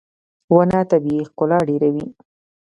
• ونه طبیعي ښکلا ډېروي.